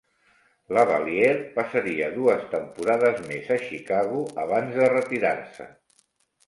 LaValliere passaria dues temporades més a Chicago abans de retirar-se.